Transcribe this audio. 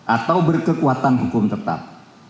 atau berkekuatan hukum tetap